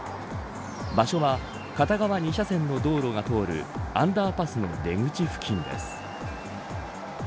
場所は片側２車線の道路が通るアンダーパスの出口付近です。